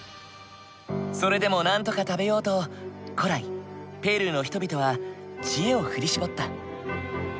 それでもなんとか食べようと古来ペルーの人々は知恵を振り絞った。